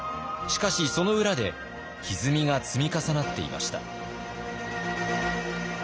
しかしその裏でひずみが積み重なっていました。